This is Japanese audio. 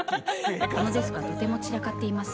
このデスクはとても散らかっています。